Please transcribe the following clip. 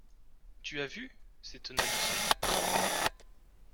Tu as vu, s’étonna Lucien